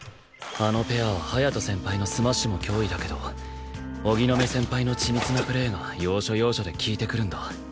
あのペアは隼人先輩のスマッシュも脅威だけど荻野目先輩の緻密なプレーが要所要所で効いてくるんだ。